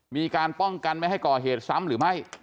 มีการป้องกันไม่ให้ก่อเหตุซ้ำหรือไม่